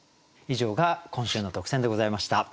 以上が今週の特選でございました。